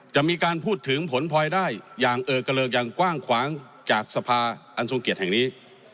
จะมีการพูดถึงผลพลอยได้อย่างเออกระเลิกอย่างกว้างขวางจากสภาอันทรงเกียจแห่งนี้